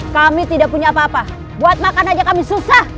kami tidak punya apa apa buat makan aja kami susah